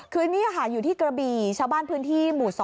คือนี่ค่ะอยู่ที่กระบี่ชาวบ้านพื้นที่หมู่๒